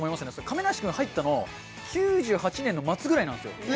亀梨君、入ったの９８年の末ぐらいなんですよ。